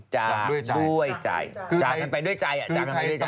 จากด้วยใจจากกันไปด้วยใจจากกันไปด้วยใจ